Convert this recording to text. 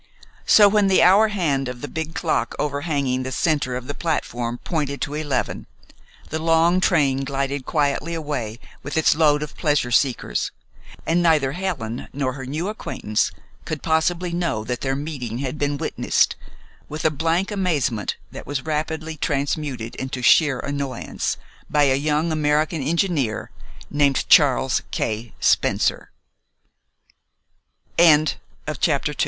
So when the hour hand of the big clock overhanging the center of the platform pointed to eleven, the long train glided quietly away with its load of pleasure seekers, and neither Helen nor her new acquaintance could possibly know that their meeting had been witnessed, with a blank amazement that was rapidly transmuted into sheer annoyance, by a young American enginee